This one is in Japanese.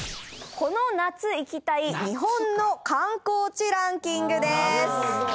この夏行きたい日本の観光地ランキングです